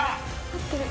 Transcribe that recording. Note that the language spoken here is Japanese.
合ってる。